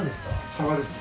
サバです。